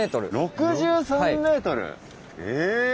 ６３ｍ！え。